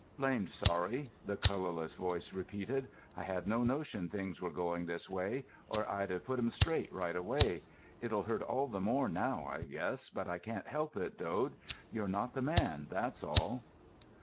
"Blamed sorry," the colourless voice repeated. "I had no notion things were going this way or I'd have put 'em straight right away. It'll hurt all the more now, I guess, but I can't help it, Dode—you're not the man, that's all."